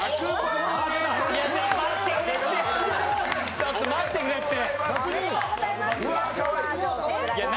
ちょっと待ってくれって！